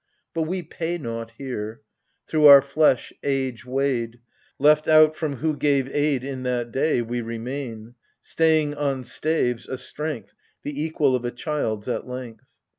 But we pay nought here : through our flesh, age weighed, Left out from who gave aid In that day, — we remain. Staying on staves a strength The equal of a child's at length.